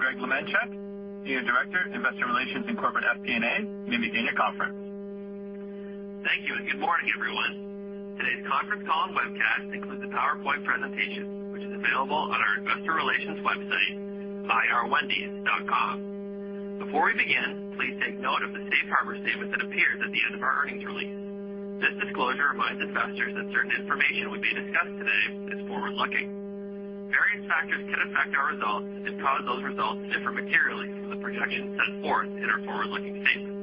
Greg Lemenchick, senior director, investor relations and corporate FP&A, you may begin your conference. Thank you, good morning, everyone. Today's conference call and webcast includes a PowerPoint presentation, which is available on our investor relations website, ir.wendys.com. Before we begin, please take note of the safe harbor statement that appears at the end of our earnings release. This disclosure reminds investors that certain information that will be discussed today is forward-looking. Various factors can affect our results and cause those results to differ materially from the projections set forth in our forward-looking statements.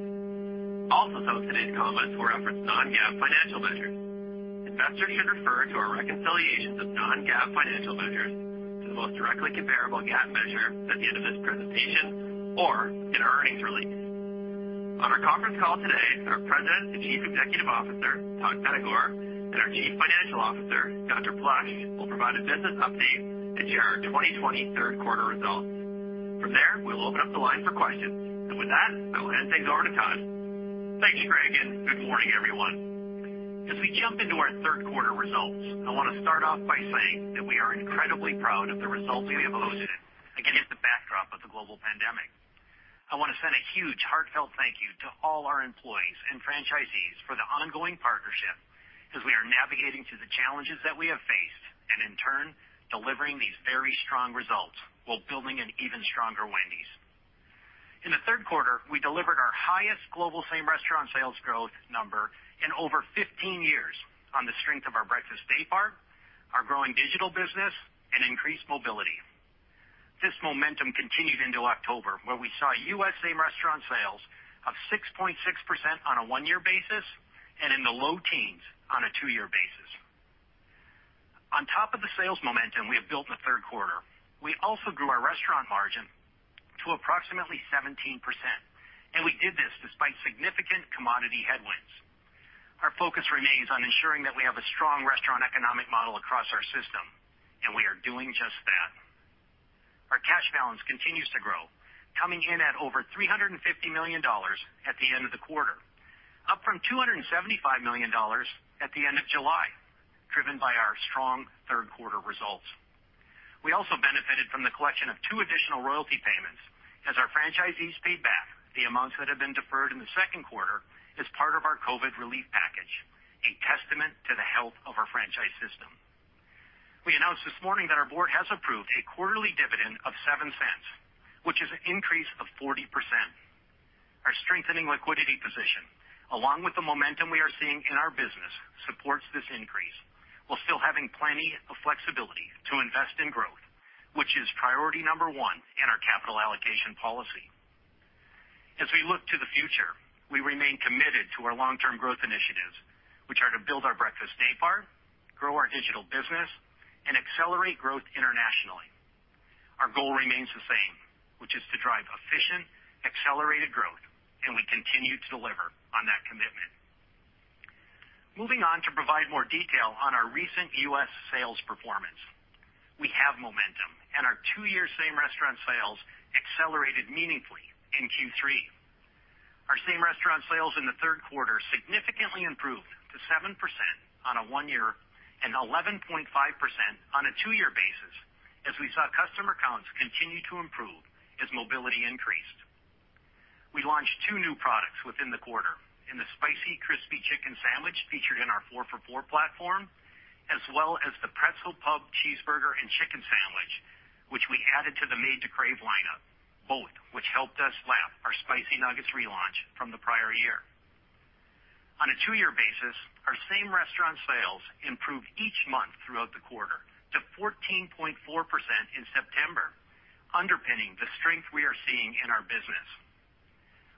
Some of today's comments refer to non-GAAP financial measures. Investors should refer to our reconciliations of non-GAAP financial measures to the most directly comparable GAAP measure at the end of this presentation or in our earnings release. On our conference call today, our President and Chief Executive Officer, Todd Penegor, and our Chief Financial Officer, Gunther Plosch, will provide a business update and share our 2020 third quarter results. From there, we'll open up the line for questions. With that, I will hand things over to Todd. Thank you, Greg. Good morning, everyone. As we jump into our third quarter results, I want to start off by saying that we are incredibly proud of the results we have posted against the backdrop of the global pandemic. I want to send a huge heartfelt thank you to all our employees and franchisees for the ongoing partnership as we are navigating through the challenges that we have faced, and in turn, delivering these very strong results while building an even stronger Wendy's. In the third quarter, we delivered our highest global same-restaurant sales growth number in over 15 years on the strength of our breakfast daypart, our growing digital business, and increased mobility. This momentum continued into October, where we saw U.S. same-restaurant sales of 6.6% on a one-year basis and in the low teens on a two-year basis. On top of the sales momentum we have built in the third quarter, we also grew our restaurant margin to approximately 17%, and we did this despite significant commodity headwinds. Our focus remains on ensuring that we have a strong restaurant economic model across our system, and we are doing just that. Our cash balance continues to grow, coming in at over $350 million at the end of the quarter, up from $275 million at the end of July, driven by our strong third quarter results. We also benefited from the collection of two additional royalty payments as our franchisees paid back the amounts that had been deferred in the second quarter as part of our COVID relief package, a testament to the health of our franchise system. We announced this morning that our board has approved a quarterly dividend of $0.07, which is an increase of 40%. Our strengthening liquidity position, along with the momentum we are seeing in our business, supports this increase while still having plenty of flexibility to invest in growth, which is priority number one in our capital allocation policy. As we look to the future, we remain committed to our long-term growth initiatives, which are to build our Breakfast Daypart, grow our Digital Business, and Accelerate Growth Internationally. Our goal remains the same, which is to drive efficient, accelerated growth, and we continue to deliver on that commitment. Moving on to provide more detail on our recent U.S. sales performance. We have momentum, and our two-year same-restaurant sales accelerated meaningfully in Q3. Our same-restaurant sales in the third quarter significantly improved to 7% on a one-year and 11.5% on a two-year basis as we saw customer counts continue to improve as mobility increased. We launched two new products within the quarter in the Spicy Crispy Chicken Sandwich featured in our 4 for $4 platform, as well as the Pretzel Bacon Pub Cheeseburger and Chicken Sandwich, which we added to the Made to Crave lineup, both which helped us lap our Spicy Chicken Nuggets relaunch from the prior year. On a two-year basis, our same-restaurant sales improved each month throughout the quarter to 14.4% in September, underpinning the strength we are seeing in our business.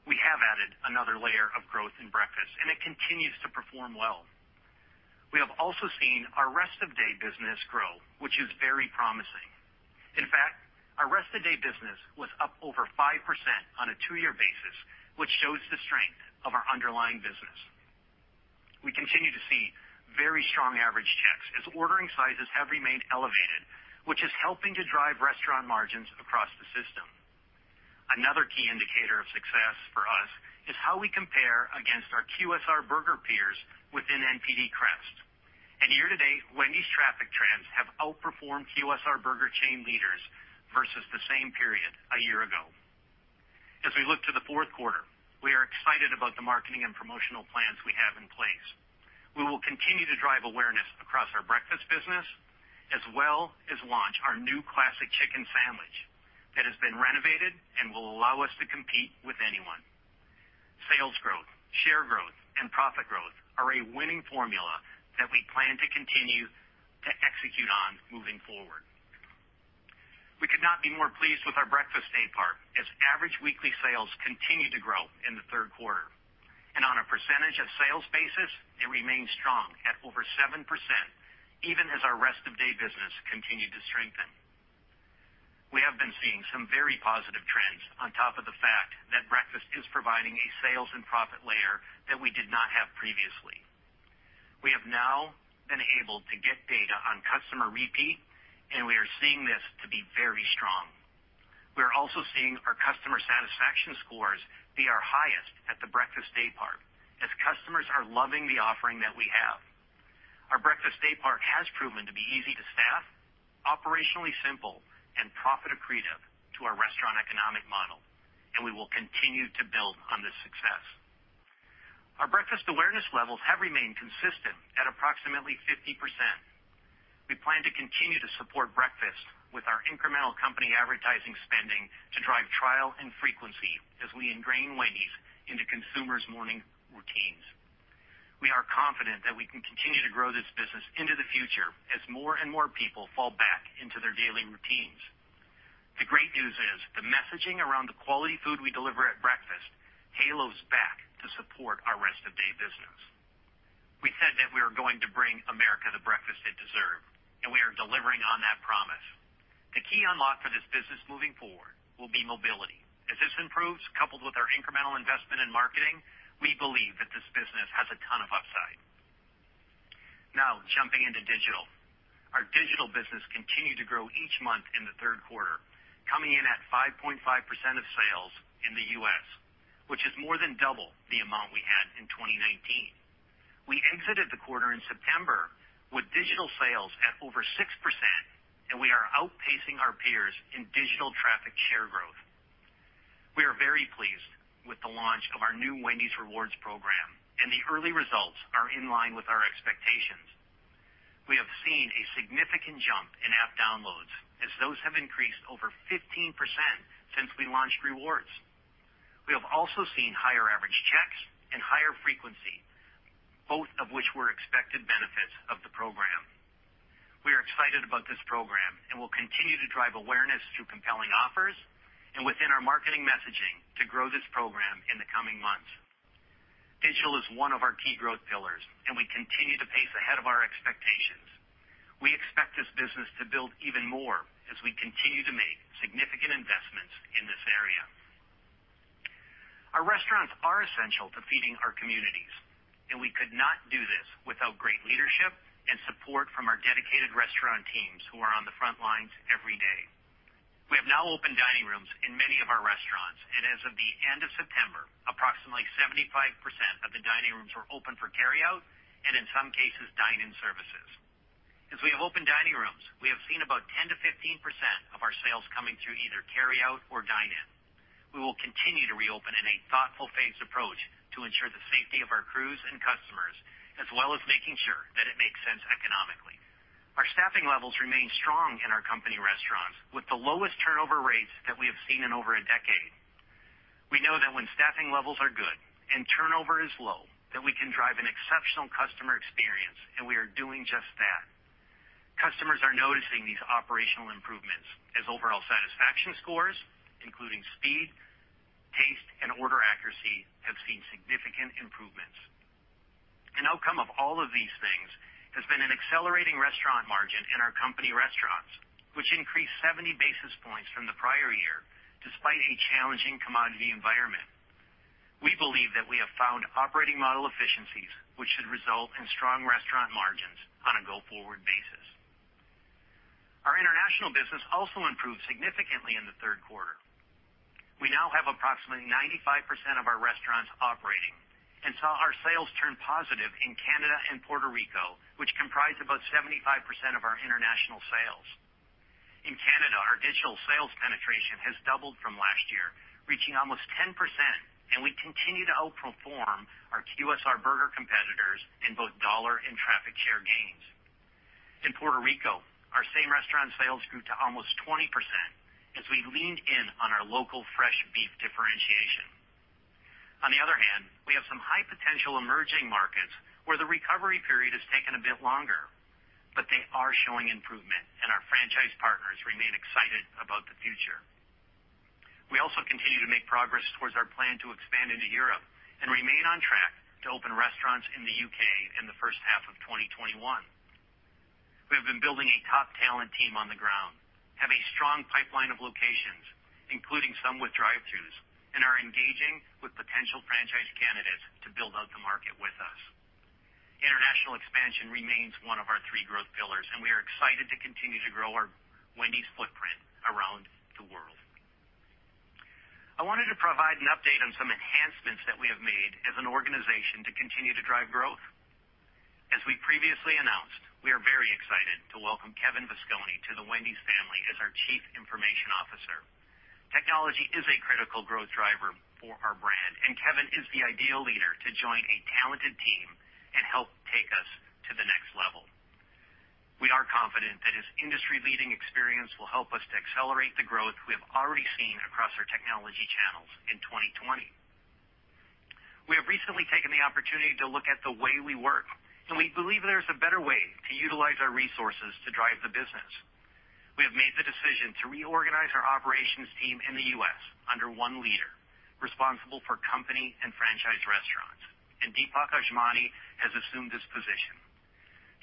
We have added another layer of growth in breakfast, and it continues to perform well. We have also seen our rest of day business grow, which is very promising. In fact, our rest of day business was up over 5% on a two-year basis, which shows the strength of our underlying business. We continue to see very strong average checks as ordering sizes have remained elevated, which is helping to drive restaurant margins across the system. Another key indicator of success for us is how we compare against our QSR burger peers within NPD CREST. Year to date, Wendy's traffic trends have outperformed QSR burger chain leaders versus the same period a year ago. As we look to the fourth quarter, we are excited about the marketing and promotional plans we have in place. We will continue to drive awareness across our breakfast business, as well as launch our new Classic Chicken Sandwich that has been renovated and will allow us to compete with anyone. Sales growth, share growth, and profit growth are a winning formula that we plan to continue to execute on moving forward. We could not be more pleased with our breakfast daypart as average weekly sales continued to grow in the third quarter. On a percentage of sales basis, it remains strong at over 7% even as our rest of day business continued to strengthen. We've been seeing some very positive trends on top of the fact that breakfast is providing a sales and profit layer that we did not have previously. We have now been able to get data on customer repeat, and we are seeing this to be very strong. We are also seeing our customer satisfaction scores be our highest at the breakfast daypart, as customers are loving the offering that we have. Our breakfast daypart has proven to be easy to staff, operationally simple, and profit accretive to our restaurant economic model, and we will continue to build on this success. Our breakfast awareness levels have remained consistent at approximately 50%. We plan to continue to support breakfast with our incremental company advertising spending to drive trial and frequency as we ingrain Wendy's into consumers' morning routines. We are confident that we can continue to grow this business into the future as more and more people fall back into their daily routines. The great news is the messaging around the quality food we deliver at breakfast halos back to support our rest of day business. We said that we are going to bring America the breakfast it deserved, and we are delivering on that promise. The key unlock for this business moving forward will be mobility. As this improves, coupled with our incremental investment in marketing, we believe that this business has a ton of upside. Now jumping into digital. Our digital business continued to grow each month in the third quarter, coming in at 5.5% of sales in the U.S., which is more than double the amount we had in 2019. We exited the quarter in September with digital sales at over 6%, and we are outpacing our peers in digital traffic share growth. We are very pleased with the launch of our new Wendy's Rewards program, and the early results are in line with our expectations. We have seen a significant jump in app downloads, as those have increased over 15% since we launched Rewards. We have also seen higher average checks and higher frequency, both of which were expected benefits of the program. We are excited about this program and will continue to drive awareness through compelling offers and within our marketing messaging to grow this program in the coming months. Digital is one of our key growth pillars, and we continue to pace ahead of our expectations. We expect this business to build even more as we continue to make significant investments in this area. Our restaurants are essential to feeding our communities, and we could not do this without great leadership and support from our dedicated restaurant teams who are on the front lines every day. We have now opened dining rooms in many of our restaurants, and as of the end of September, approximately 75% of the dining rooms were open for carryout and in some cases, dine-in services. As we have opened dining rooms, we have seen about 10%-15% of our sales coming through either carryout or dine-in. We will continue to reopen in a thoughtful phased approach to ensure the safety of our crews and customers, as well as making sure that it makes sense economically. Our staffing levels remain strong in our company restaurants with the lowest turnover rates that we have seen in over a decade. We know that when staffing levels are good and turnover is low, that we can drive an exceptional customer experience, and we are doing just that. Customers are noticing these operational improvements as overall satisfaction scores, including speed, taste, and order accuracy, have seen significant improvements. An outcome of all of these things has been an accelerating restaurant margin in our company restaurants, which increased 70 basis points from the prior year, despite a challenging commodity environment. We believe that we have found operating model efficiencies, which should result in strong restaurant margins on a go-forward basis. Our international business also improved significantly in the third quarter. We now have approximately 95% of our restaurants operating and saw our sales turn positive in Canada and Puerto Rico, which comprise about 75% of our international sales. In Canada, our digital sales penetration has doubled from last year, reaching almost 10%, and we continue to outperform our QSR burger competitors in both dollar and traffic share gains. In Puerto Rico, our same restaurant sales grew to almost 20% as we leaned in on our local fresh beef differentiation. On the other hand, we have some high potential emerging markets where the recovery period has taken a bit longer, but they are showing improvement, and our franchise partners remain excited about the future. We also continue to make progress towards our plan to expand into Europe and remain on track to open restaurants in the U.K. in the first half of 2021. We have been building a top talent team on the ground, have a strong pipeline of locations, including some with drive-throughs, and are engaging with potential franchise candidates to build out the market with us. International expansion remains one of our three growth pillars, and we are excited to continue to grow our Wendy's footprint around the world. I wanted to provide an update on some enhancements that we have made as an organization to continue to drive growth. As we previously announced, we are very excited to welcome Kevin Vasconi to the Wendy's family as our Chief Information Officer. Technology is a critical growth driver for our brand, and Kevin is the ideal leader to join a talented team and help take us to the next level. We are confident that his industry-leading experience will help us to accelerate the growth we have already seen across our technology channels in 2020. We have recently taken the opportunity to look at the way we work, and we believe there's a better way to utilize our resources to drive the business. We have made the decision to reorganize our operations team in the U.S. under one leader responsible for company and franchise restaurants, and Deepak Ajmani has assumed this position.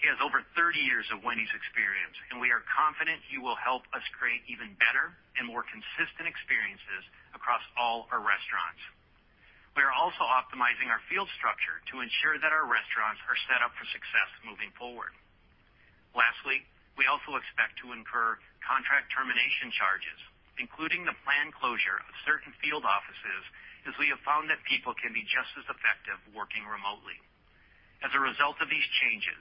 He has over 30 years of Wendy's experience, and we are confident he will help us create even better and more consistent experiences across all our restaurants. We are also optimizing our field structure to ensure that our restaurants are set up for success moving forward. Lastly, we also expect to incur contract termination charges, including the planned closure of certain field offices, as we have found that people can be just as effective working remotely. As a result of these changes,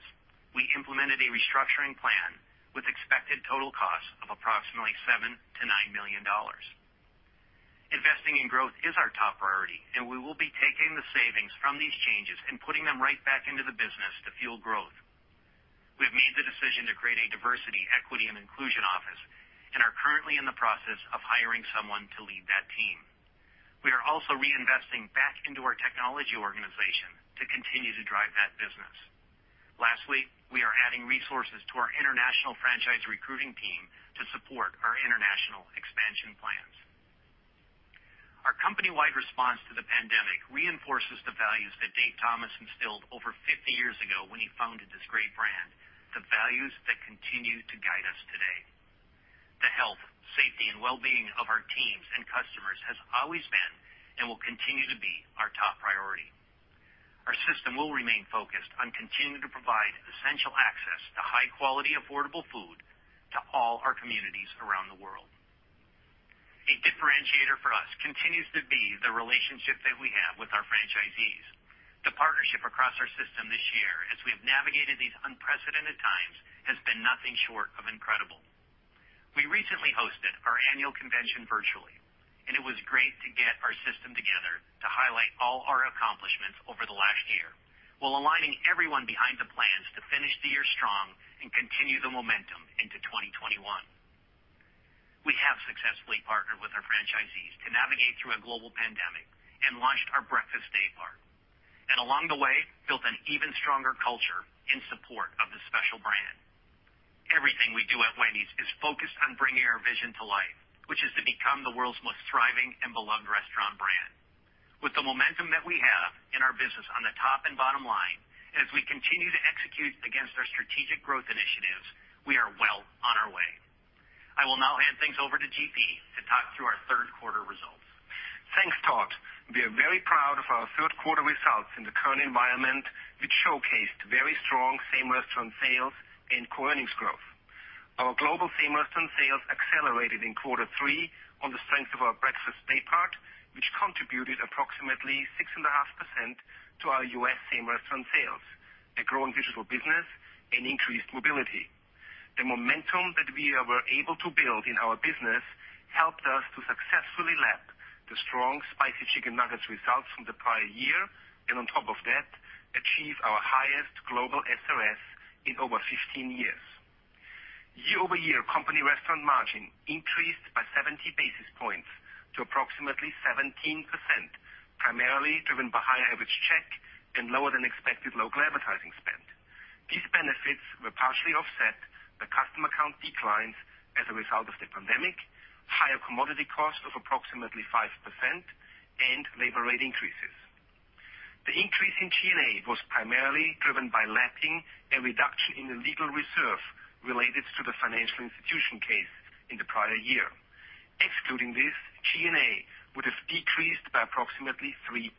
we implemented a restructuring plan with expected total costs of approximately $7 million-$9 million. Investing in growth is our top priority, and we will be taking the savings from these changes and putting them right back into the business to fuel growth. We've made the decision to create a diversity, equity, and inclusion office and are currently in the process of hiring someone to lead that team. We are also reinvesting back into our technology organization to continue to drive that business. Lastly, we are adding resources to our international franchise recruiting team to support our international expansion plans. Our company-wide response to the pandemic reinforces the values that Dave Thomas instilled over 50 years ago when he founded this great brand, the values that continue to guide us today. The health, safety, and wellbeing of our teams and customers has always been, and will continue to be, our top priority. Our system will remain focused on continuing to provide essential access to high quality, affordable food to all our communities around the world. A differentiator for us continues to be the relationship that we have with our franchisees. The partnership across our system this year as we have navigated these unprecedented times has been nothing short of incredible. We recently hosted our annual convention virtually, and it was great to get our system together to highlight all our accomplishments over the last year, while aligning everyone behind the plans to finish the year strong and continue the momentum into 2021. We have successfully partnered with our franchisees to navigate through a global pandemic and launched our Breakfast Daypart, and along the way, built an even stronger culture in support of this special brand. Everything we do at Wendy's is focused on bringing our vision to life, which is to become the world's most thriving and beloved restaurant brand. With the momentum that we have in our business on the top and bottom line, and as we continue to execute against our strategic growth initiatives, we are well on our way. I will now hand things over to GP to talk through our third quarter results. Thanks, Todd. We are very proud of our third quarter results in the current environment, which showcased very strong same restaurant sales and core earnings growth. Our global same restaurant sales accelerated in quarter three on the strength of our breakfast daypart, which contributed approximately 6.5% to our U.S. same restaurant sales, a growing digital business, and increased mobility. The momentum that we were able to build in our business helped us to successfully lap the strong Spicy Chicken Nuggets results from the prior year, and on top of that, achieve our highest global SRS in over 15 years. Year-over-year company restaurant margin increased by 70 basis points to approximately 17%, primarily driven by higher average check and lower than expected local advertising spend. These benefits were partially offset by customer count declines as a result of the pandemic, higher commodity cost of approximately 5%, and labor rate increases. The increase in G&A was primarily driven by lapping a reduction in the legal reserve related to the Financial Institutions case in the prior year. Excluding this, G&A would have decreased by approximately 3%.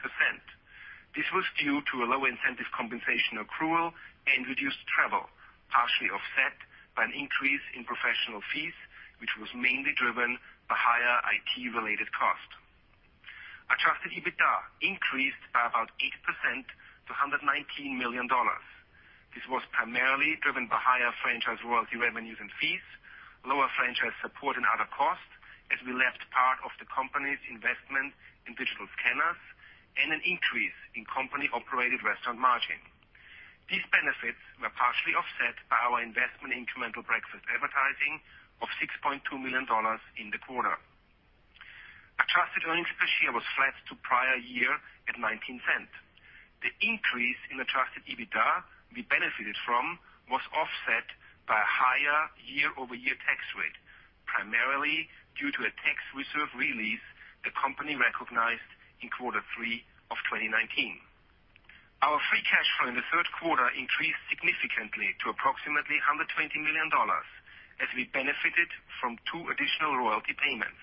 This was due to a lower incentive compensation accrual and reduced travel, partially offset by an increase in professional fees, which was mainly driven by higher IT related cost. Adjusted EBITDA increased by about 8% to $119 million. This was primarily driven by higher franchise royalty revenues and fees, lower franchise support and other costs as we lapped part of the company's investment in digital scanners, and an increase in company operated restaurant margin. These benefits were partially offset by our investment in incremental breakfast advertising of $6.2 million in the quarter. Adjusted earnings per share was flat to prior year at $0.19. The increase in adjusted EBITDA we benefited from was offset by a higher year-over-year tax rate, primarily due to a tax reserve release the company recognized in quarter three of 2019. Our free cash flow in the third quarter increased significantly to approximately $120 million as we benefited from two additional royalty payments.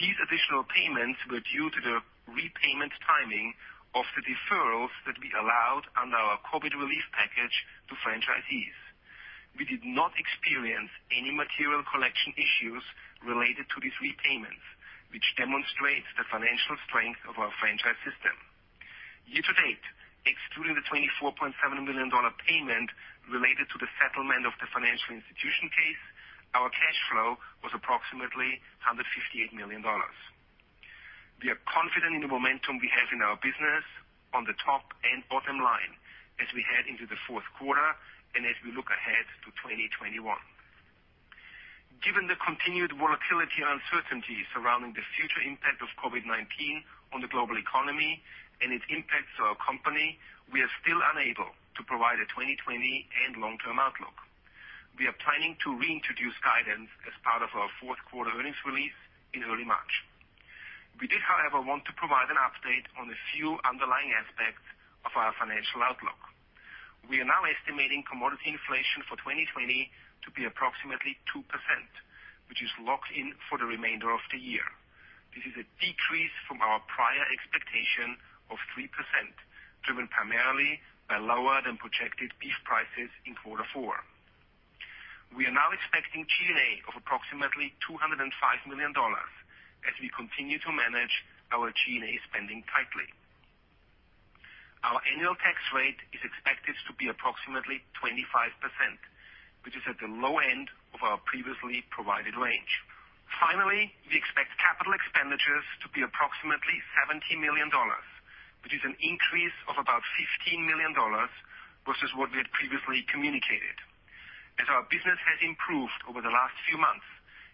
These additional payments were due to the repayment timing of the deferrals that we allowed under our COVID relief package to franchisees. We did not experience any material collection issues related to these repayments, which demonstrates the financial strength of our franchise system. Year to date, excluding the $24.7 million payment related to the settlement of the financial institution case, our cash flow was approximately $158 million. We are confident in the momentum we have in our business on the top and bottom line as we head into the fourth quarter and as we look ahead to 2021. Given the continued volatility and uncertainty surrounding the future impact of COVID-19 on the global economy and its impacts to our company, we are still unable to provide a 2020 and long-term outlook. We are planning to reintroduce guidance as part of our fourth quarter earnings release in early March. We did, however, want to provide an update on a few underlying aspects of our financial outlook. We are now estimating commodity inflation for 2020 to be approximately 2%, which is locked in for the remainder of the year. This is a decrease from our prior expectation of 3%, driven primarily by lower than projected beef prices in quarter four. We are now expecting G&A of approximately $205 million as we continue to manage our G&A spending tightly. Our annual tax rate is expected to be approximately 25%, which is at the low end of our previously provided range. Finally, we expect capital expenditures to be approximately $70 million, which is an increase of about $15 million versus what we had previously communicated. As our business has improved over the last few months,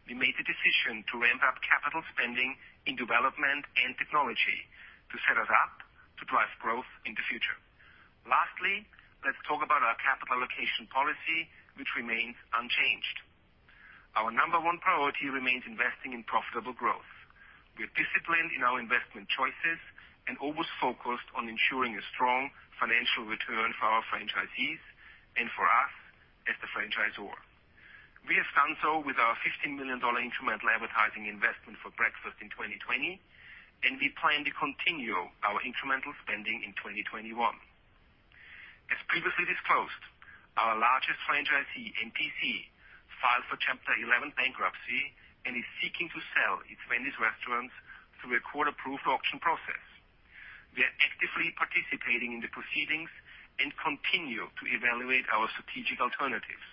we made the decision to ramp up capital spending in development and technology to set us up to drive growth in the future. Lastly, let's talk about our capital allocation policy, which remains unchanged. Our number one priority remains investing in profitable growth. We are disciplined in our investment choices and always focused on ensuring a strong financial return for our franchisees and for us as the franchisor. We have done so with our $50 million incremental advertising investment for breakfast in 2020, and we plan to continue our incremental spending in 2021. As previously disclosed, our largest franchisee, NPC, filed for Chapter 11 bankruptcy and is seeking to sell its Wendy's restaurants through a court-approved auction process. We are actively participating in the proceedings and continue to evaluate our strategic alternatives.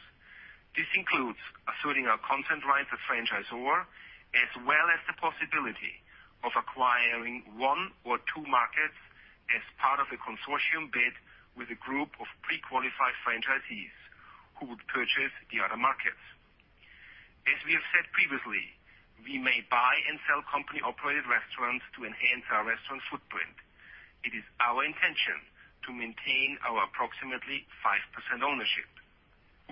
This includes asserting our consent right as franchisor, as well as the possibility of acquiring one or two markets as part of a consortium bid with a group of pre-qualified franchisees who would purchase the other markets. As we have said previously, we may buy and sell company-operated restaurants to enhance our restaurant footprint. It is our intention to maintain our approximately 5% ownership.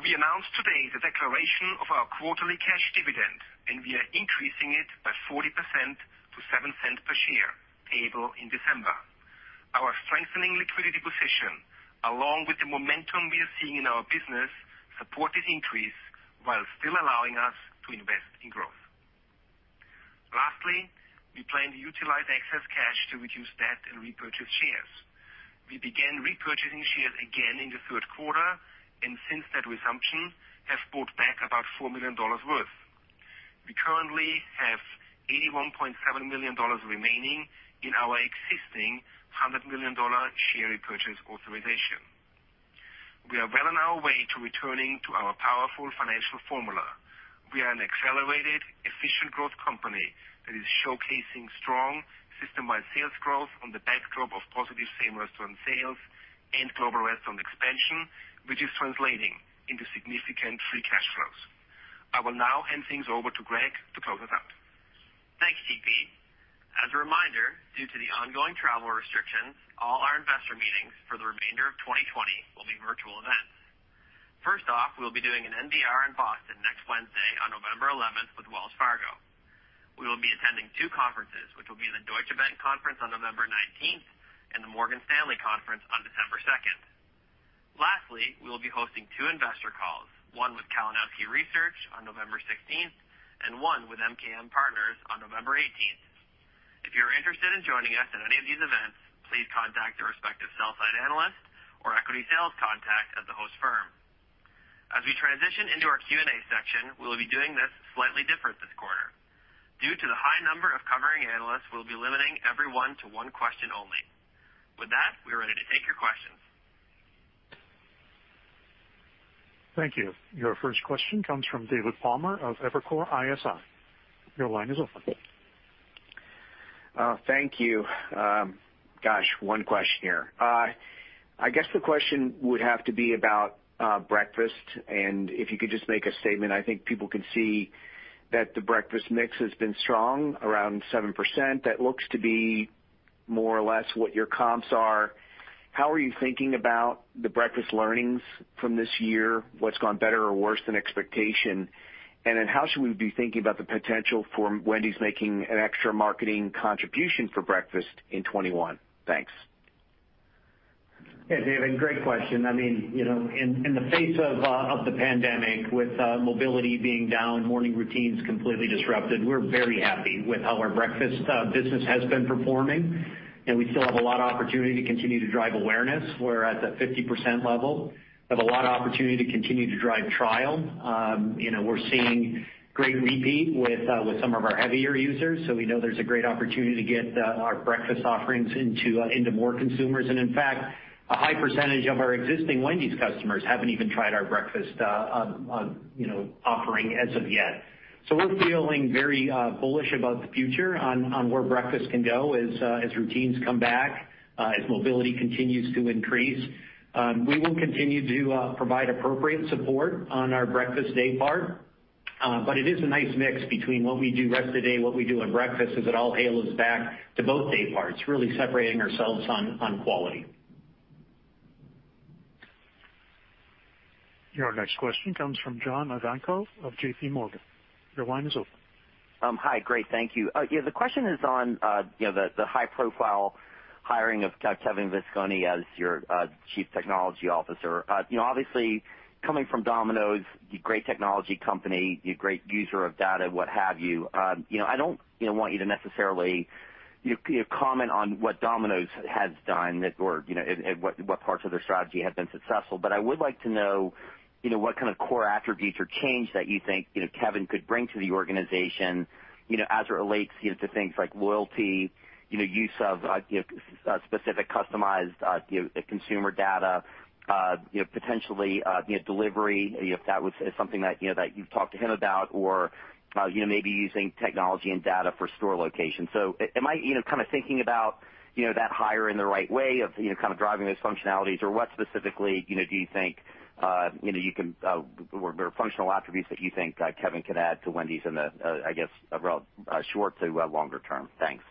We announced today the declaration of our quarterly cash dividend, and we are increasing it by 40% to $0.07 per share, payable in December. Our strengthening liquidity position, along with the momentum we are seeing in our business, support this increase while still allowing us to invest in growth. Lastly, we plan to utilize excess cash to reduce debt and repurchase shares. We began repurchasing shares again in the third quarter, and since that resumption, have bought back about $4 million worth. We currently have $81.7 million remaining in our existing $100 million share repurchase authorization. We are well on our way to returning to our powerful financial formula. We are an accelerated, efficient growth company that is showcasing strong system-wide sales growth on the backdrop of positive same-restaurant sales and global restaurant expansion, which is translating into significant free cash flows. I will now hand things over to Greg to close us out. Thanks, GP. As a reminder, due to the ongoing travel restrictions, all our investor meetings for the remainder of 2020 will be virtual events. First off, we'll be doing an NDR in Boston next Wednesday, on November 11th, with Wells Fargo. We will be attending two conferences, which will be the Deutsche Bank Conference on November 19th and the Morgan Stanley Conference on December 2nd. Lastly, we will be hosting two investor calls, one with Kalinowski Research on November 16th, and one with MKM Partners on November 18th. If you're interested in joining us in any of these events, please contact your respective sell-side analyst or equity sales contact at the host firm. As we transition into our Q&A section, we'll be doing this slightly different this quarter. Due to the high number of covering analysts, we'll be limiting everyone to one question only. With that, we are ready to take your questions. Thank you. Your first question comes from David Palmer of Evercore ISI. Thank you. Gosh, one question here. I guess the question would have to be about breakfast, if you could just make a statement. I think people can see that the breakfast mix has been strong, around 7%. That looks to be more or less what your comps are. How are you thinking about the breakfast learnings from this year? What's gone better or worse than expectation? How should we be thinking about the potential for Wendy's making an extra marketing contribution for breakfast in 2021? Thanks. Yeah, David, great question. In the face of the pandemic, with mobility being down, morning routines completely disrupted, we're very happy with how our breakfast business has been performing, and we still have a lot of opportunity to continue to drive awareness. We're at the 50% level. We have a lot of opportunity to continue to drive trial. We're seeing great repeat with some of our heavier users, so we know there's a great opportunity to get our breakfast offerings into more consumers. And in fact, a high percentage of our existing Wendy's customers haven't even tried our breakfast offering as of yet. We're feeling very bullish about the future on where breakfast can go as routines come back, as mobility continues to increase. We will continue to provide appropriate support on our breakfast daypart. It is a nice mix between what we do rest of the day and what we do on breakfast, as it all halos back to both dayparts, really separating ourselves on quality. Your next question comes from John Ivankoe of J.P. Morgan. Your line is open. Hi. Great. Thank you. The question is on the high profile hiring of Kevin Vasconi as your Chief Technology Officer. Obviously, coming from Domino's, a great technology company, a great user of data, what have you. I don't want you to necessarily comment on what Domino's has done or what parts of their strategy have been successful. I would like to know what kind of core attributes or change that you think Kevin could bring to the organization as it relates to things like loyalty, use of specific customized consumer data, potentially delivery, if that was something that you've talked to him about, or maybe using technology and data for store location. Am I thinking about that hire in the right way of driving those functionalities, or what specifically do you think you can, or functional attributes that you think Kevin could add to Wendy's in the short to longer term? Thanks.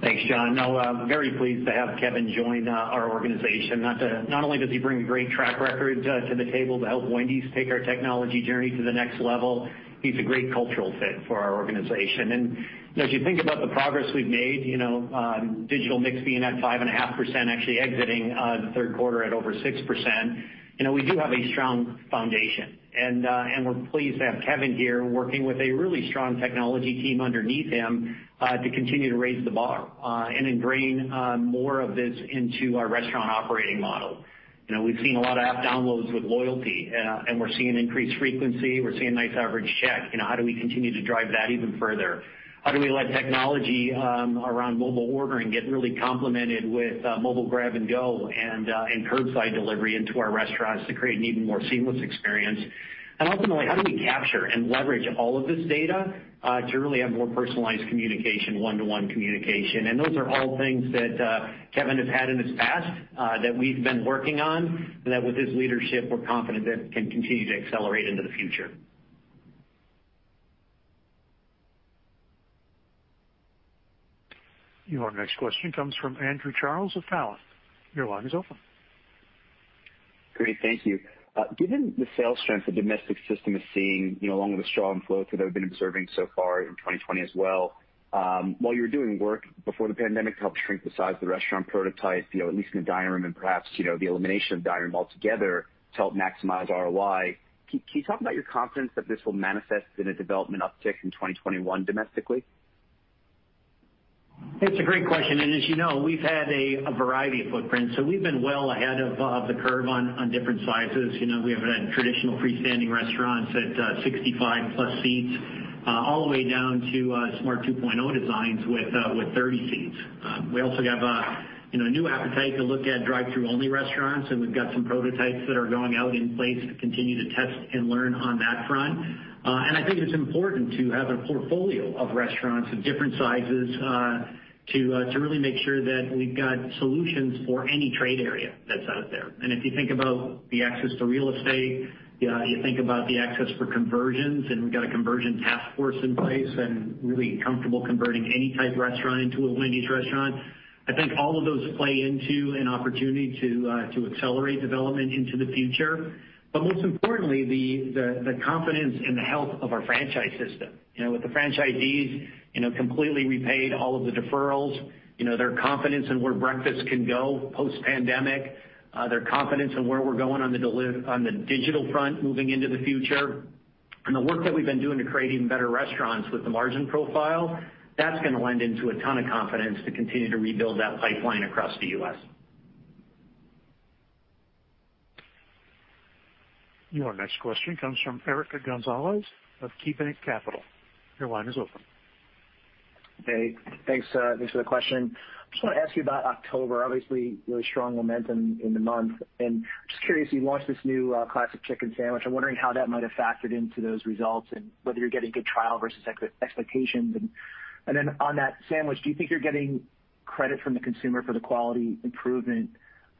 Thanks, John. I'm very pleased to have Kevin join our organization. Not only does he bring a great track record to the table to help Wendy's take our technology journey to the next level, he's a great cultural fit for our organization. As you think about the progress we've made, digital mix being at 5.5%, actually exiting the third quarter at over 6%, we do have a strong foundation, and we're pleased to have Kevin here working with a really strong technology team underneath him to continue to raise the bar and ingrain more of this into our restaurant operating model. We've seen a lot of app downloads with loyalty, and we're seeing increased frequency. We're seeing nice average check. How do we continue to drive that even further. How do we let technology around mobile ordering get really complemented with mobile grab and go and curbside delivery into our restaurants to create an even more seamless experience? Ultimately, how do we capture and leverage all of this data to really have more personalized communication, one-to-one communication? Those are all things that Kevin has had in his past that we've been working on, and that with his leadership, we're confident that can continue to accelerate into the future. Your next question comes from Andrew Charles of Cowen. Your line is open. Great. Thank you. Given the sales strength the domestic system is seeing along with the strong flows that I've been observing so far in 2020 as well, while you were doing work before the pandemic to help shrink the size of the restaurant prototype at least in the dining room, and perhaps, the elimination of dining room altogether to help maximize ROI, can you talk about your confidence that this will manifest in a development uptick in 2021 domestically? It's a great question, and as you know, we've had a variety of footprints, so we've been well ahead of the curve on different sizes. We have had traditional freestanding restaurants at 65-plus seats all the way down to Smart 2.0 designs with 30 seats. We also have a new appetite to look at drive-through only restaurants, and we've got some prototypes that are going out in place to continue to test and learn on that front. I think it's important to have a portfolio of restaurants of different sizes to really make sure that we've got solutions for any trade area that's out there. If you think about the access to real estate, you think about the access for conversions, and we've got a conversion task force in place and really comfortable converting any type restaurant into a Wendy's restaurant. I think all of those play into an opportunity to accelerate development into the future. Most importantly, the confidence and the health of our franchise system. With the franchisees completely repaid all of the deferrals, their confidence in where breakfast can go post-pandemic, their confidence in where we're going on the digital front moving into the future, and the work that we've been doing to create even better restaurants with the margin profile, that's going to lend into a ton of confidence to continue to rebuild that pipeline across the U.S. Your next question comes from Eric Gonzalez of KeyBanc Capital. Your line is open. Hey, thanks. Thanks for the question. Just want to ask you about October, obviously, really strong momentum in the month. Just curious, you launched this new classic chicken sandwich. I'm wondering how that might have factored into those results and whether you're getting good trial versus expectations. Then on that sandwich, do you think you're getting credit from the consumer for the quality improvement,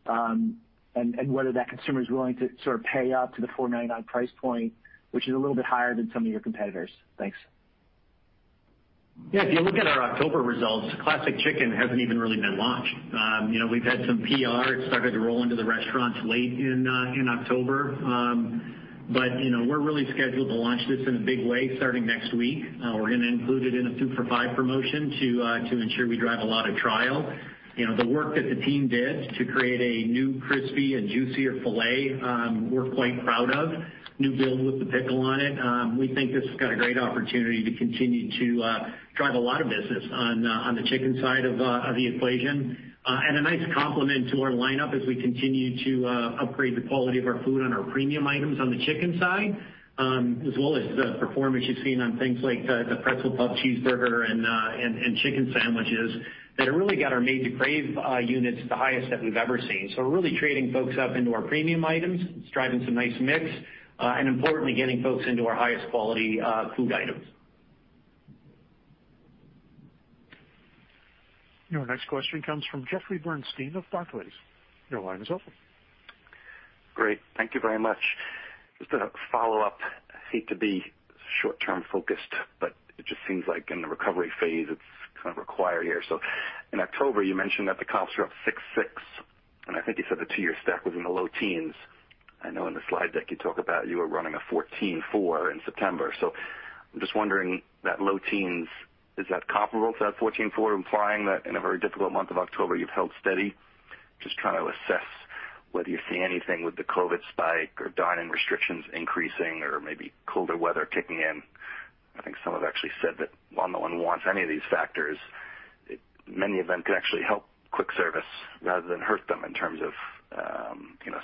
and whether that consumer is willing to pay up to the $4.99 price point, which is a little bit higher than some of your competitors? Thanks. If you look at our October results, classic chicken hasn't even really been launched. We've had some PR. It started to roll into the restaurants late in October. We're really scheduled to launch this in a big way starting next week. We're going to include it in a 2 for $5 promotion to ensure we drive a lot of trial. The work that the team did to create a new crispy and juicier filet, we're quite proud of. New build with the pickle on it. We think this has got a great opportunity to continue to drive a lot of business on the chicken side of the equation and a nice complement to our lineup as we continue to upgrade the quality of our food on our premium items on the chicken side, as well as the performance you've seen on things like the Pretzel Bacon Pub Cheeseburger and chicken sandwiches that have really got our Made to Crave units the highest that we've ever seen. We're really trading folks up into our premium items. It's driving some nice mix, and importantly, getting folks into our highest quality food items. Your next question comes from Jeffrey Bernstein of Barclays. Your line is open. Great. Thank you very much. Just a follow-up. I hate to be short-term focused, but it just seems like in the recovery phase, it's kind of required here. In October, you mentioned that the comps were up 6.6%, and I think you said the two-year stack was in the low teens. I know in the slide deck you talk about you were running a 14.4% in September. I'm just wondering that low teens, is that comparable to that 14.4% implying that in a very difficult month of October you've held steady? Just trying to assess whether you see anything with the COVID spike or dine-in restrictions increasing or maybe colder weather kicking in. I think some have actually said that while no one wants any of these factors, many of them can actually help quick service rather than hurt them in terms of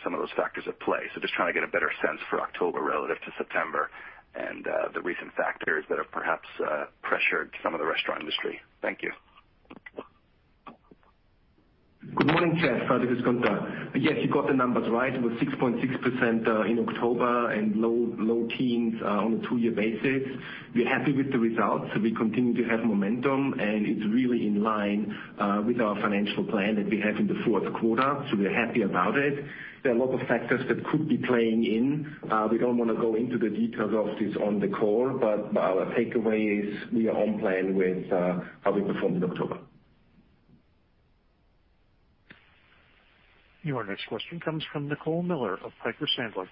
some of those factors at play. Just trying to get a better sense for October relative to September and the recent factors that have perhaps pressured some of the restaurant industry. Thank you. Good morning, Jeff. This is Gunther. Yes, you got the numbers right. It was 6.6% in October and low teens on a two-year basis. We're happy with the results. We continue to have momentum, and it's really in line with our financial plan that we have in the fourth quarter. We're happy about it. There are a lot of factors that could be playing in. We don't want to go into the details of this on the call, but our takeaway is we are on plan with how we performed in October. Your next question comes from Nicole Miller of Piper Sandler.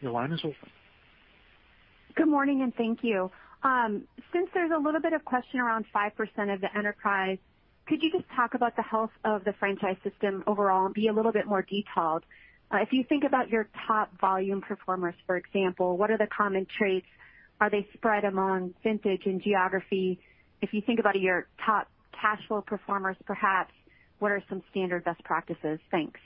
Your line is open. Good morning, thank you. Since there's a little bit of question around 5% of the enterprise, could you just talk about the health of the franchise system overall and be a little bit more detailed? If you think about your top volume performers, for example, what are the common traits? Are they spread among vintage and geography? If you think about your top cash flow performers, perhaps, what are some standard best practices? Thanks.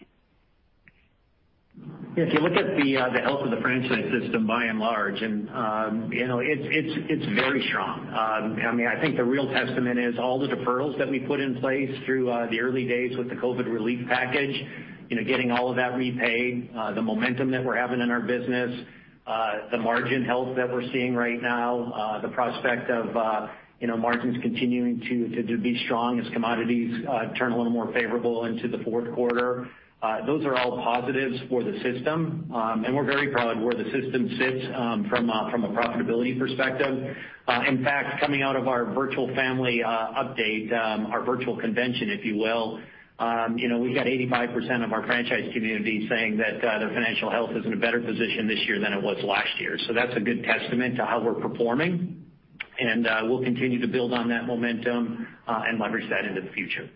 If you look at the health of the franchise system by and large, it's very strong. I think the real testament is all the deferrals that we put in place through the early days with the COVID relief package, getting all of that repaid, the momentum that we're having in our business, the margin health that we're seeing right now, the prospect of margins continuing to be strong as commodities turn a little more favorable into the fourth quarter. Those are all positives for the system. We're very proud of where the system sits from a profitability perspective. In fact, coming out of our virtual family update, our virtual convention, if you will, we've got 85% of our franchise community saying that their financial health is in a better position this year than it was last year. That's a good testament to how we're performing, and we'll continue to build on that momentum and leverage that into the future.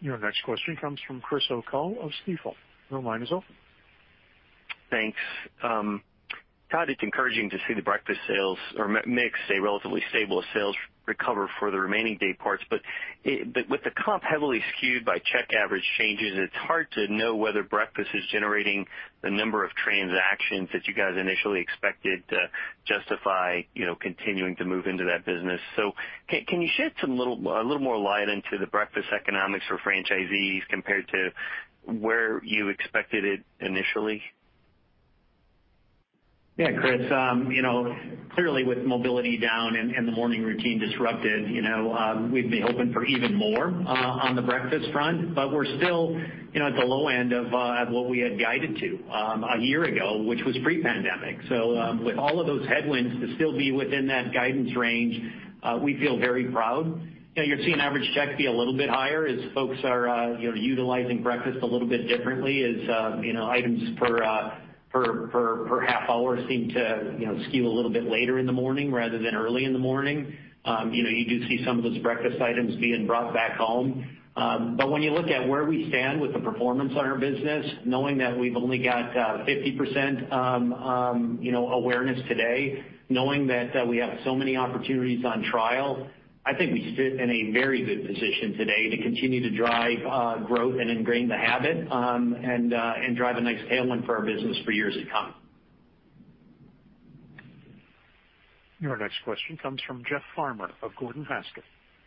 Your next question comes from Christopher O'Cull of Stifel. Your line is open. Thanks. Todd, it's encouraging to see the breakfast sales or mix stay relatively stable as sales recover for the remaining day parts. With the comp heavily skewed by check average changes, it's hard to know whether breakfast is generating the number of transactions that you guys initially expected to justify continuing to move into that business. Can you shed a little more light into the breakfast economics for franchisees compared to where you expected it initially? Yeah, Chris. Clearly with mobility down and the morning routine disrupted, we'd be hoping for even more on the breakfast front, but we're still at the low end of what we had guided to a year ago, which was pre-pandemic. With all of those headwinds to still be within that guidance range, we feel very proud. You're seeing average check be a little bit higher as folks are utilizing breakfast a little bit differently as items per half hour seem to skew a little bit later in the morning rather than early in the morning. You do see some of those breakfast items being brought back home. When you look at where we stand with the performance on our business, knowing that we've only got 50% awareness today, knowing that we have so many opportunities on trial, I think we sit in a very good position today to continue to drive growth and ingrain the habit, and drive a nice tailwind for our business for years to come. Your next question comes from Jeff Farmer of Gordon Haskett.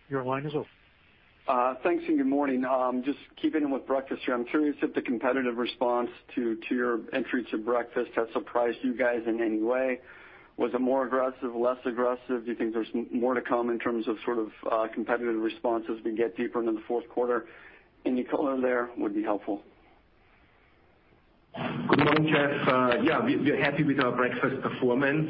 Your line is open. Thanks. Good morning. Just keeping with breakfast here, I'm curious if the competitive response to your entry to breakfast has surprised you guys in any way. Was it more aggressive, less aggressive? Do you think there's more to come in terms of competitive response as we get deeper into the fourth quarter? Any color there would be helpful. Good morning, Jeff. Yeah, we're happy with our breakfast performance.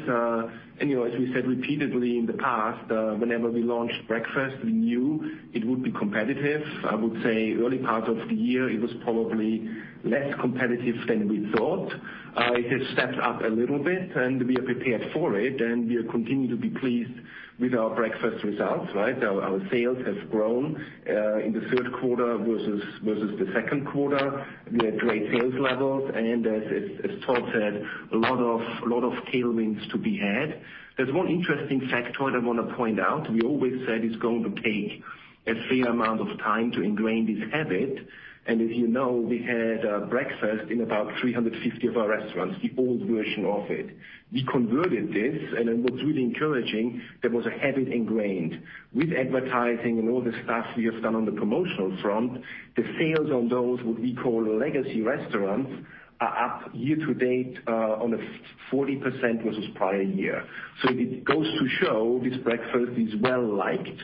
We said repeatedly in the past, whenever we launched breakfast, we knew it would be competitive. I would say early part of the year, it was probably less competitive than we thought. It has stepped up a little bit, and we are prepared for it, and we continue to be pleased with our breakfast results. Our sales have grown in the third quarter versus the second quarter. We had great sales levels, as Todd said, a lot of tailwinds to be had. There's one interesting factoid I want to point out. We always said it's going to take a fair amount of time to ingrain this habit, as you know, we had breakfast in about 350 of our restaurants, the old version of it. We converted this, what's really encouraging, there was a habit ingrained. With advertising and all the stuff we have done on the promotional front, the sales on those, what we call legacy restaurants, are up year to date on a 40% versus prior year. It goes to show this breakfast is well-liked.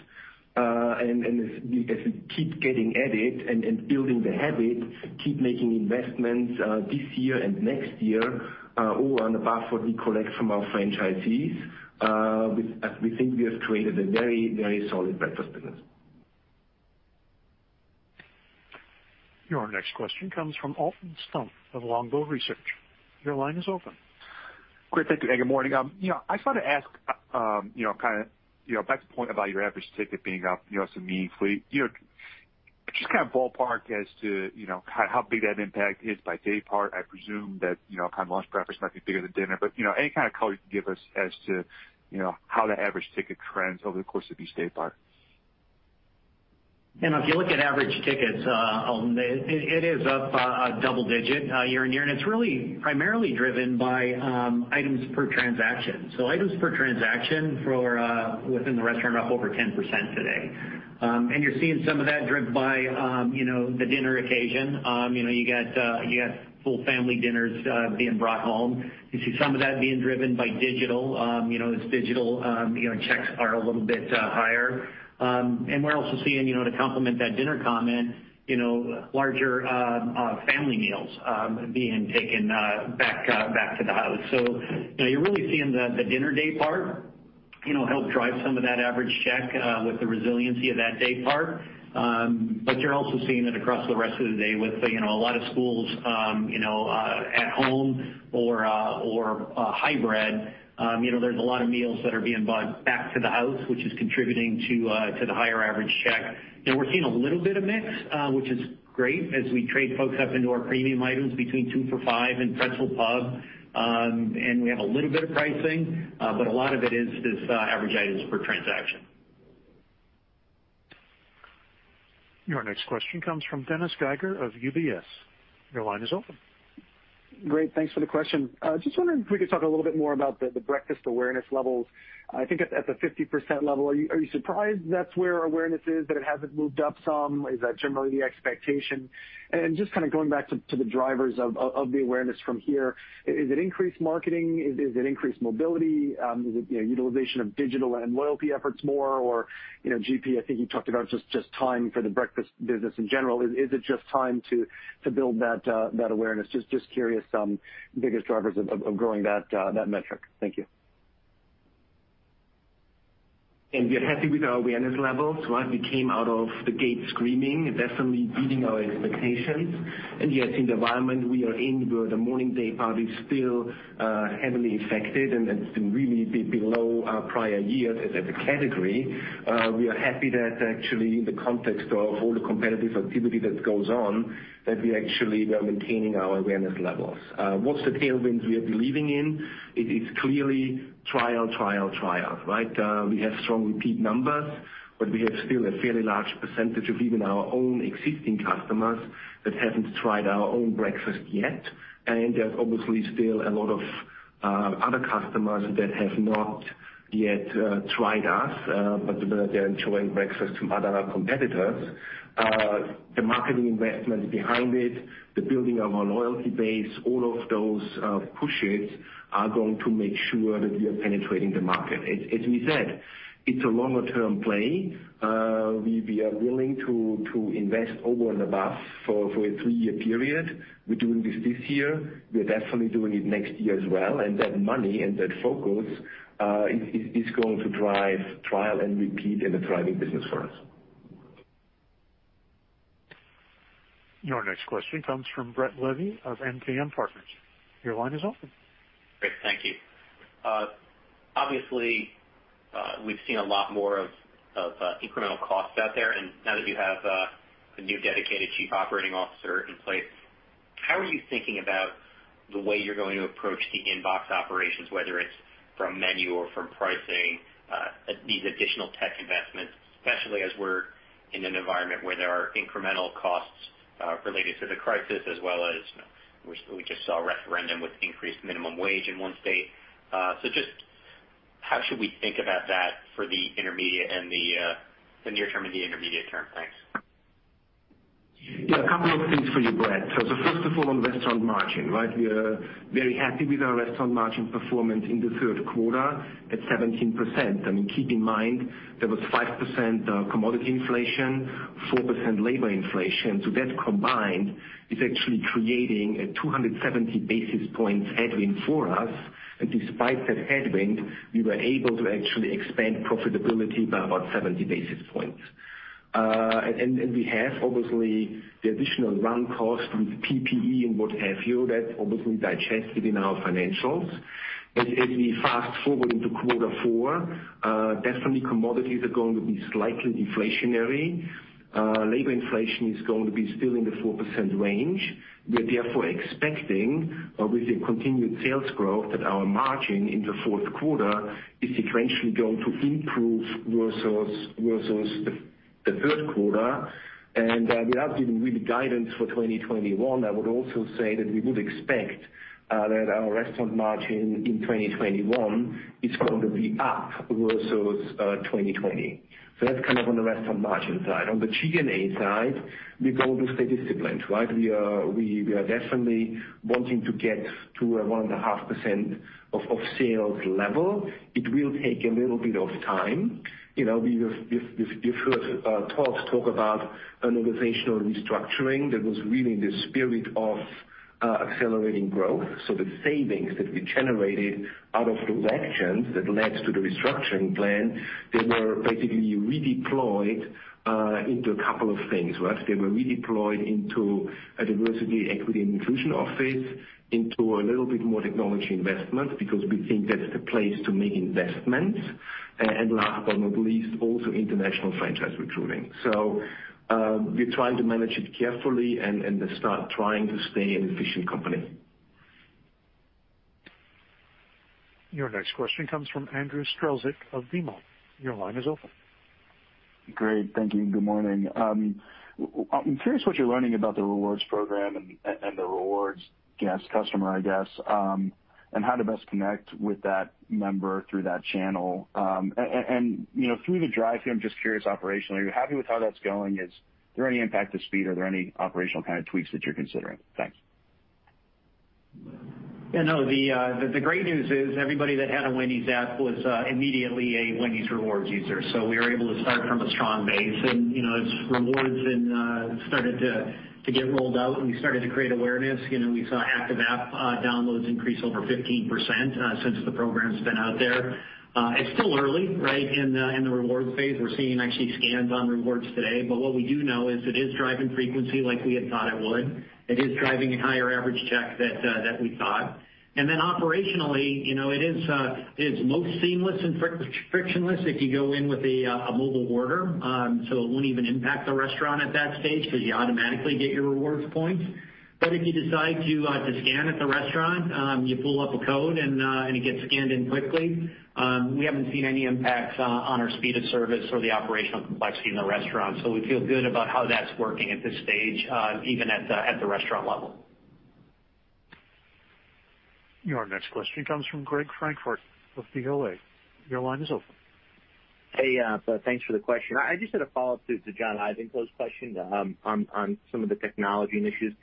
As we keep getting at it and building the habit, keep making investments this year and next year, over and above what we collect from our franchisees, we think we have created a very solid breakfast business. Your next question comes from Alton Stump of Longbow Research. Your line is open. Great. Thank you. Good morning. I just want to ask, back to the point about your average ticket being up, so meaningfully. Just ballpark as to how big that impact is by day part. I presume that lunch, breakfast might be bigger than dinner, but any kind of color you can give us as to how the average ticket trends over the course of each day part. If you look at average tickets, Alton, it is up a double-digit year-over-year, and it's really primarily driven by items per transaction. Items per transaction for within the restaurant are up over 10% today. You're seeing some of that driven by the dinner occasion. You got full family dinners being brought home. You see some of that being driven by digital. Its digital checks are a little bit higher. We're also seeing, to complement that dinner comment, larger family meals being taken back to the house. You're really seeing the dinner daypart help drive some of that average check with the resiliency of that daypart. You're also seeing it across the rest of the day with a lot of schools at home or hybrid. There's a lot of meals that are being bought back to the house, which is contributing to the higher average check. We're seeing a little bit of mix, which is great as we trade folks up into our premium items between 2 for $5 and Pretzel Pub. We have a little bit of pricing, but a lot of it is this average items per transaction. Your next question comes from Dennis Geiger of UBS. Your line is open. Great. Thanks for the question. Just wondering if we could talk a little bit more about the breakfast awareness levels. I think at the 50% level, are you surprised that's where awareness is, that it hasn't moved up some? Is that generally the expectation? Just going back to the drivers of the awareness from here. Is it increased marketing? Is it increased mobility? Is it utilization of digital and loyalty efforts more, or GP, I think you talked about just time for the breakfast business in general. Is it just time to build that awareness? Just curious, biggest drivers of growing that metric. Thank you. We are happy with our awareness levels. We came out of the gate screaming, definitely beating our expectations. Yet in the environment we are in, where the morning day part is still heavily affected and it's been really below our prior years as a category, we are happy that actually in the context of all the competitive activity that goes on, that we actually are maintaining our awareness levels. What's the tailwinds we are believing in? It is clearly trial. We have strong repeat numbers, but we have still a fairly large percentage of even our own existing customers that haven't tried our own breakfast yet. There's obviously still a lot of other customers that have not yet tried us, but they are enjoying breakfast from other competitors. The marketing investment behind it, the building of our loyalty base, all of those pushes are going to make sure that we are penetrating the market. As we said, it's a longer term play. We are willing to invest over and above for a three-year period. We're doing this this year. We're definitely doing it next year as well, that money and that focus is going to drive trial and repeat in the thriving business for us. Your next question comes from Brett Levy of MKM Partners. Your line is open. Great. Thank you. Obviously, we've seen a lot more of incremental costs out there. Now that you have a new dedicated Chief Operating Officer in place, how are you thinking about the way you're going to approach the in-box operations, whether it's from menu or from pricing, these additional tech investments, especially as we're in an environment where there are incremental costs related to the crisis as well as, we just saw a referendum with increased minimum wage in one state. Just how should we think about that for the near term and the intermediate term? Thanks. Yeah. A couple of things for you, Brett. First of all, on restaurant margin. We are very happy with our restaurant margin performance in the third quarter at 17%. Keep in mind, there was 5% commodity inflation, 4% labor inflation. That combined is actually creating a 270 basis points headwind for us. Despite that headwind, we were able to actually expand profitability by about 70 basis points. We have, obviously, the additional run cost with PPE and what have you, that's obviously digested in our financials. As we fast forward into quarter four, definitely commodities are going to be slightly inflationary. Labor inflation is going to be still in the 4% range. We are therefore expecting, with a continued sales growth, that our margin in the fourth quarter is sequentially going to improve versus the third quarter. Without giving real guidance for 2021, I would also say that we would expect that our restaurant margin in 2021 is going to be up versus 2020. That's on the restaurant margin side. On the G&A side, we're going to stay disciplined. We are definitely wanting to get to a 1.5% of sales level. It will take a little bit of time. You've heard Todd talk about an organizational restructuring that was really in the spirit of Accelerating growth. The savings that we generated out of those actions that led to the restructuring plan, they were basically redeployed into a couple of things. First, they were redeployed into a diversity, equity, and inclusion office, into a little bit more technology investment, because we think that's the place to make investments, and last but not least, also international franchise recruiting. We're trying to manage it carefully and to start trying to stay an efficient company. Your next question comes from Andrew Strelzik of BMO. Your line is open. Great. Thank you. Good morning. I'm curious what you're learning about the Rewards program and the Rewards guest customer, I guess, and how to best connect with that member through that channel? Through the drive-thru, I'm just curious operationally, are you happy with how that's going? Is there any impact to speed? Are there any operational kind of tweaks that you're considering? Thanks. Yeah, no, the great news is everybody that had a Wendy's app was immediately a Wendy's Rewards user. We were able to start from a strong base and as Rewards started to get rolled out, and we started to create awareness, we saw active app downloads increase over 15% since the program's been out there. It's still early, right? In the Rewards phase. We're seeing actually scans on Rewards today. What we do know is it is driving frequency like we had thought it would. It is driving a higher average check than we thought. Operationally, it is most seamless and frictionless if you go in with a mobile order. It won't even impact the restaurant at that stage because you automatically get your Rewards points. If you decide to scan at the restaurant, you pull up a code and it gets scanned in quickly. We haven't seen any impacts on our speed of service or the operational complexity in the restaurant. We feel good about how that's working at this stage, even at the restaurant level. Your next question comes from Gregory Francfort of BMO. Your line is open. Hey. Thanks for the question. I just had a follow-up to John Ivankoe's question on some of the technology initiatives.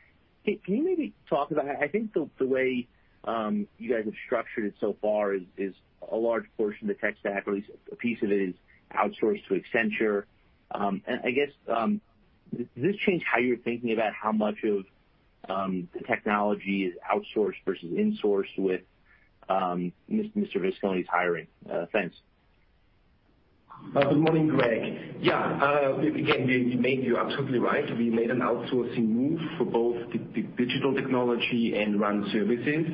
Can you maybe talk about, I think the way you guys have structured it so far is a large portion of the tech stack, or at least a piece of it, is outsourced to Accenture. I guess, does this change how you're thinking about how much of the technology is outsourced versus insourced with Mr. Vasconi's hiring? Thanks. Good morning, Greg. Yeah. You're absolutely right. We made an outsourcing move for both the digital technology and run services.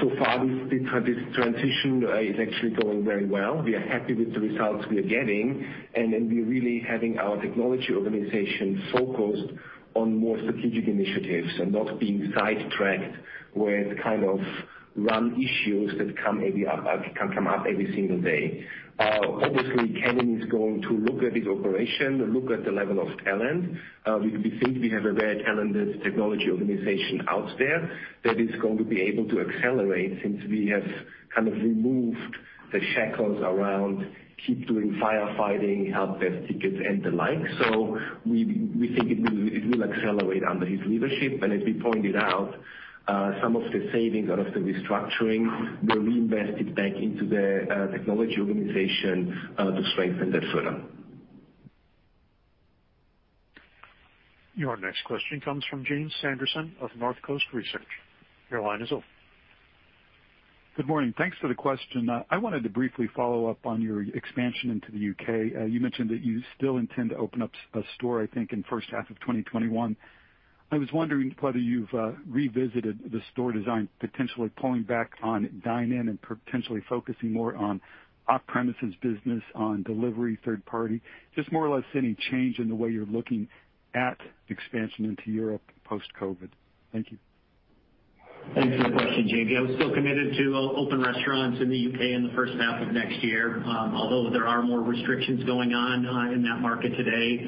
So far, this transition is actually going very well. We are happy with the results we are getting, and we're really having our technology organization focused on more strategic initiatives and not being sidetracked with kind of run issues that come up every single day. Obviously, Kevin is going to look at his operation, look at the level of talent. We think we have a very talented technology organization out there that is going to be able to accelerate since we have kind of removed the shackles around keep doing firefighting, help desk tickets, and the like. We think it will accelerate under his leadership. As we pointed out, some of the savings out of the restructuring were reinvested back into the technology organization to strengthen that further. Your next question comes from James Sanderson of Northcoast Research. Your line is open. Good morning. Thanks for the question. I wanted to briefly follow up on your expansion into the U.K. You mentioned that you still intend to open up a store, I think, in first half of 2021. I was wondering whether you've revisited the store design, potentially pulling back on dine-in and potentially focusing more on off-premises business, on delivery, third party, just more or less any change in the way you're looking at expansion into Europe post-COVID. Thank you. Thanks for the question, James. Yeah, we're still committed to open restaurants in the U.K. in the first half of next year. Although there are more restrictions going on in that market today,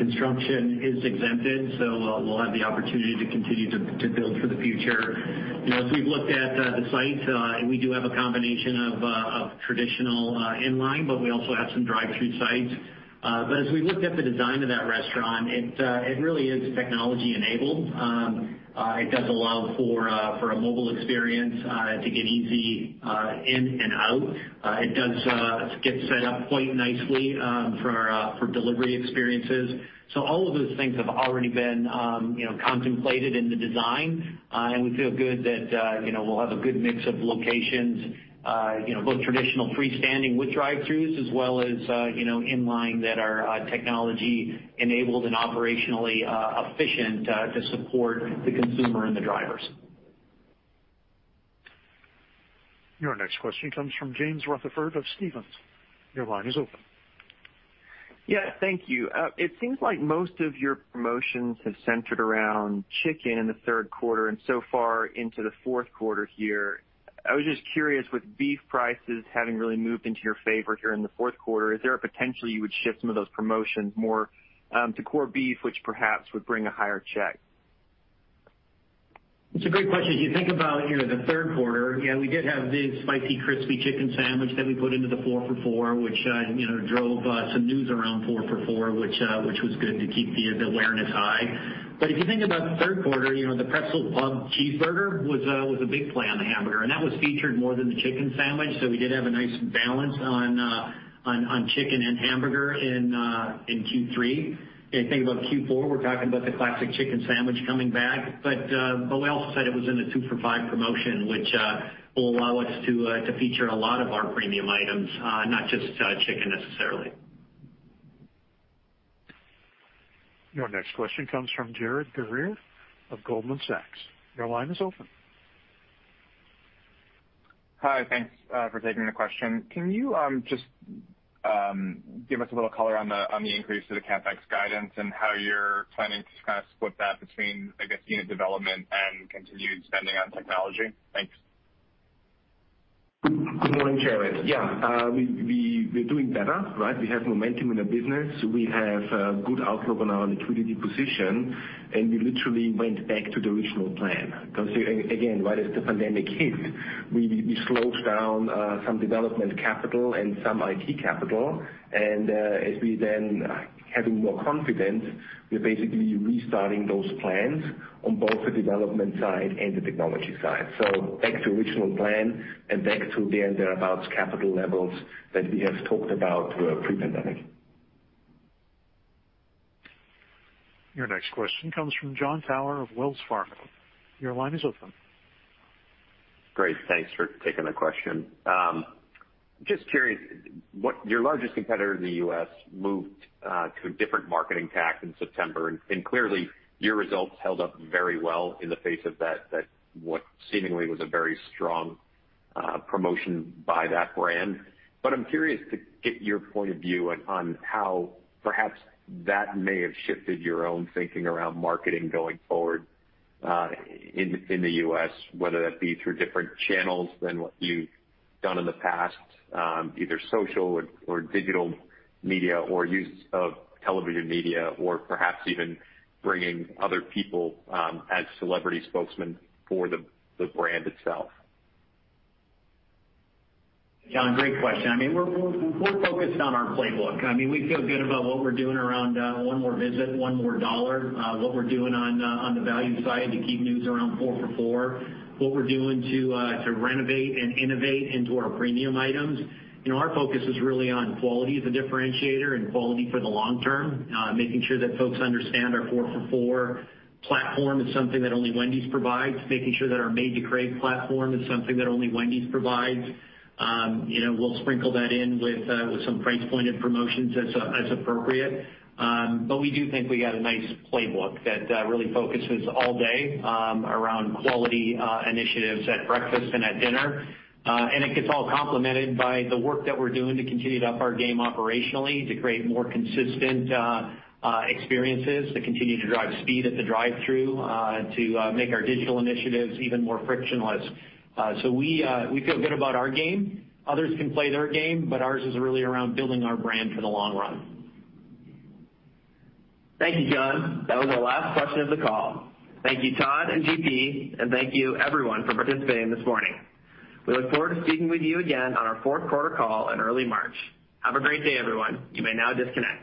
construction is exempted, so we'll have the opportunity to continue to build for the future. As we've looked at the site, we do have a combination of traditional in-line, but we also have some drive-thru sites. As we looked at the design of that restaurant, it really is technology enabled. It does allow for a mobile experience to get easy in and out. It does get set up quite nicely for delivery experiences. All of those things have already been contemplated in the design. We feel good that we'll have a good mix of locations, both traditional freestanding with drive-thrus as well as in-line that are technology enabled and operationally efficient to support the consumer and the drivers. Your next question comes from James Rutherford of Stephens. Your line is open. Yeah. Thank you. It seems like most of your promotions have centered around chicken in the third quarter and so far into the fourth quarter here. I was just curious, with beef prices having really moved into your favor here in the fourth quarter, is there a potential you would shift some of those promotions more to core beef, which perhaps would bring a higher check? It's a great question. As you think about the third quarter, yeah, we did have the Spicy Crispy Chicken Sandwich that we put into the 4 for $4, which drove some news around 4 for $4, which was good to keep the awareness high. If you think about the third quarter, the Pretzel Pub Cheeseburger was a big play on the hamburger, and that was featured more than the chicken sandwich. We did have a nice balance on chicken and hamburger in Q3. If you think about Q4, we're talking about the classic chicken sandwich coming back. We also said it was in the 2 for $5 promotion, which will allow us to feature a lot of our premium items, not just chicken necessarily. Your next question comes from Jared Garber of Goldman Sachs. Your line is open. Hi. Thanks for taking the question. Can you just give us a little color on the increase of the CapEx guidance and how you're planning to kind of split that between, I guess, unit development and continued spending on technology? Thanks. Good morning, Jared. Yeah. We're doing better, right? We have momentum in the business. We have a good outlook on our liquidity position, and we literally went back to the original plan. Because, again, right as the pandemic hit, we slowed down some development capital and some IT capital. As we then having more confidence, we're basically restarting those plans on both the development side and the technology side. Back to original plan and back to then thereabout capital levels that we have talked about pre-pandemic. Your next question comes from Jon Tower of Wells Fargo. Your line is open. Great. Thanks for taking the question. Just curious, your largest competitor in the U.S. moved to a different marketing tack in September, and clearly, your results held up very well in the face of that, what seemingly was a very strong promotion by that brand. I'm curious to get your point of view on how perhaps that may have shifted your own thinking around marketing going forward in the U.S., whether that be through different channels than what you've done in the past, either social or digital media or use of television media, or perhaps even bringing other people as celebrity spokesmen for the brand itself. John, great question. We're focused on our playbook. We feel good about what we're doing around One More Visit, One More Dollar, what we're doing on the value side to keep news around 4 for $4, what we're doing to renovate and innovate into our premium items. Our focus is really on quality as a differentiator and quality for the long term, making sure that folks understand our 4 for $4 platform is something that only Wendy's provides, making sure that our Made to Crave platform is something that only Wendy's provides. We'll sprinkle that in with some price pointed promotions as appropriate. We do think we got a nice playbook that really focuses all day around quality initiatives at breakfast and at dinner. It gets all complemented by the work that we're doing to continue to up our game operationally, to create more consistent experiences, to continue to drive speed at the drive-thru, to make our digital initiatives even more frictionless. We feel good about our game. Others can play their game, but ours is really around building our brand for the long run. Thank you, John. That was our last question of the call. Thank you, Todd and GP, and thank you everyone for participating this morning. We look forward to speaking with you again on our fourth quarter call in early March. Have a great day, everyone. You may now disconnect.